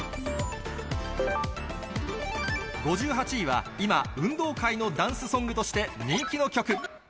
５８位は、今、運動会のダンスソングとして人気の曲。